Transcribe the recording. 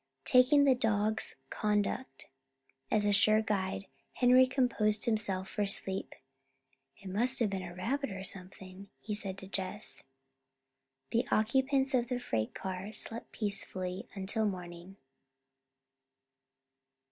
Taking the dog's conduct as a sure guide, Henry composed himself for sleep. "It must have been a rabbit or something," he said to Jess. The occupants of the freight car slept peacefully until morning.